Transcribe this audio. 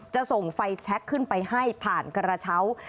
จะส่งไฟแชคขึ้นไปให้ผ่านกระเช้า